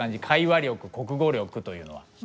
会話力国語力というのは？